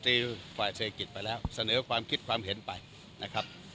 ฝ่ายเศรษฐกิจไปแล้วเสนอความคิดความเห็นไปนะครับ